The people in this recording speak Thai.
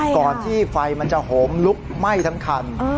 ก่อนที่ไฟมันจะโหมลุกไหม้ทั้งคัน